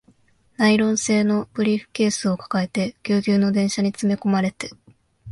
ナイロン製のブリーフケースを抱えて、ギュウギュウの電車に詰め込まれて